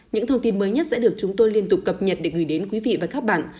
những thông tin mới nhất sẽ được chúng tôi liên tục cập nhật để gửi đến quý vị và các bạn